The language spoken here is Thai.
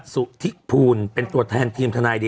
สุธิภูลเป็นตัวแทนทีมทนายดี